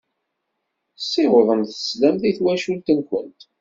Ssiwḍemt sslam i twacult-nwent.